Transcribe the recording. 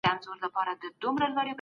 ایا دا کار ستا لپاره ستونزمن دی؟